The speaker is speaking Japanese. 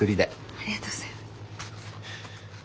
ありがとうございます。